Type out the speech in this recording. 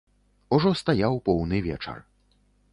Ужо стаяў поўны вечар.